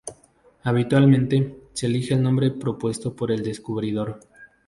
Habitualmente, se elige el nombre propuesto por el descubridor.